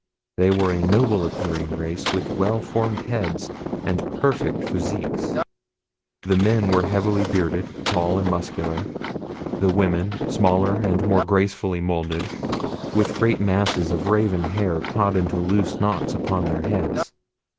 They were a noble appearing race with well formed heads and perfect physiques. The men were heavily bearded, tall and muscular; the women, smaller and more gracefully molded, with great masses of raven hair caught into loose knots upon their heads.